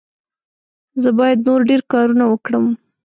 زه باید نور ډېر کارونه وکړم.